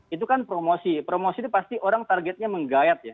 itu kan promosi promosi itu pasti orang targetnya menggayat ya